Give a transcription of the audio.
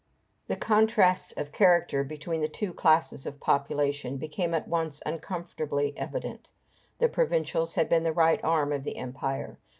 The contrast of character between two classes of population, became at once uncomfortably evident. The provincials had been the right arm of the Empire.